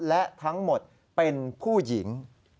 และทั้งหมดเป็นผู้หญิง